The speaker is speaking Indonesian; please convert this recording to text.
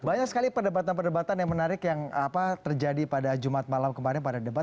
banyak sekali perdebatan perdebatan yang menarik yang terjadi pada jumat malam kemarin pada debat